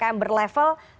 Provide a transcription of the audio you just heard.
dengan sejumlah penyesuaian